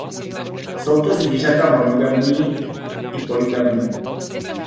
Jsou to zvířata monogamní i polygamní.